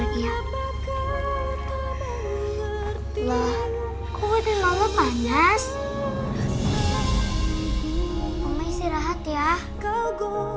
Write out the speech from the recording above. dia akan ketemu sama papa aku